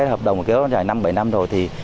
hợp đồng kéo dài năm bảy năm rồi